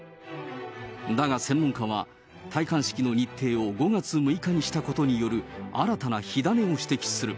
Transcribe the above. だが専門家は、戴冠式の日程を５月６日にしたことによる新たな火種を指摘する。